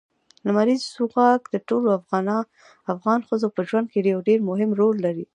لمریز ځواک د ټولو افغان ښځو په ژوند کې یو ډېر مهم رول لري.